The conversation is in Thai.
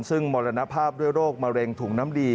ซึ่งมรณภาพด้วยโรคมะเร็งถุงน้ำดี